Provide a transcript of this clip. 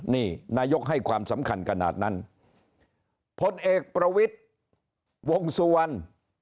นี่นายกให้ความสำคัญขนาดนั้นพลเอกประวิทย์วงสุวรรณ